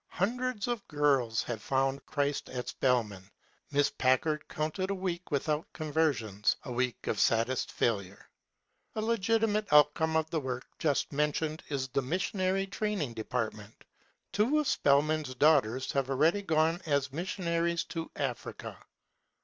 Hundreds of girls have found Christ at Spelman. Miss Packard counted a week without conversions '* a week of saddest frdlure." A legitimate outcome of the work just mentioned is the missionary training depart ment Two of Spelman's daughters have already gone as missionaries to Africa.